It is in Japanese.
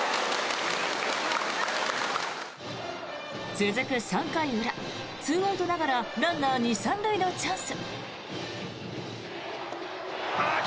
続く３回裏、２アウトながらランナー２・３塁のチャンス。